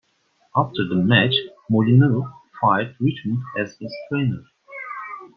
After the match, Molineaux fired Richmond as his trainer.